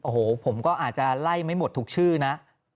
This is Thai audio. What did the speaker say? โอ้โหผมก็อาจจะไล่ไม่หมดทุกชื่อนะ